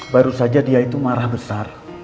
baru saja dia itu marah besar